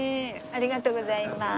ありがとうございます。